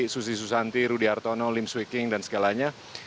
susi susanti rudi artono lim swicking dan segalanya